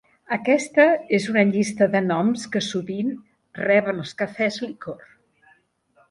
Aquesta és una llista de noms que sovint reben els cafès licor.